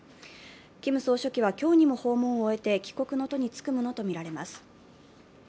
キム総書記は今日にも訪問を終えて帰国の途につくものとみられます。